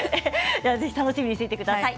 ぜひ楽しみにしていてください。